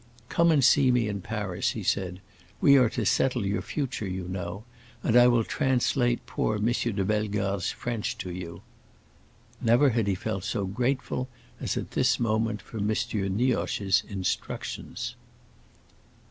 "Come and see me in Paris," he said; "we are to settle your future, you know; and I will translate poor M. de Bellegarde's French to you." Never had he felt so grateful as at this moment for M. Nioche's instructions.